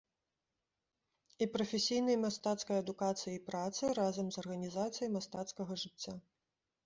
І прафесійнай мастацкай адукацыі і працы, разам з арганізацыяй мастацкага жыцця.